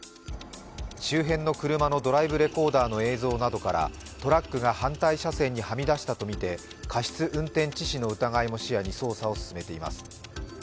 周辺の車のドライブレコーダーの映像などからトラックが反対車線にはみ出したとみて過失運転致死の疑いも視野に捜査を進めています。